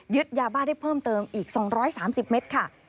ยาบ้าได้เพิ่มเติมอีก๒๓๐เมตรค่ะ